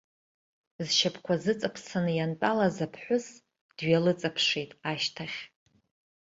Зшьапқәа зыҵаԥсаны иантәалаз аԥҳәыс дҩалыҵаԥшит, ашьҭахь.